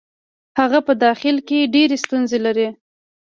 هغه په داخل کې ډېرې ستونزې لري.